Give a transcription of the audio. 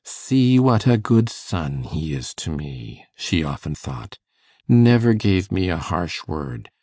'See what a good son he is to me!' she often thought. 'Never gave me a harsh word.